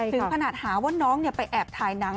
ถึงขนาดหาว่าน้องไปแอบถ่ายหนัง